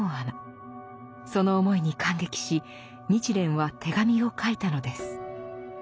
その思いに感激し日蓮は手紙を書いたのです。